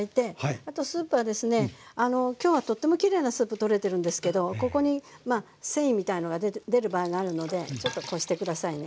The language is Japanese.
あとスープはですね今日はとってもきれいなスープとれてるんですけどここにまあ繊維みたいのが出る場合があるのでちょっとこして下さいね。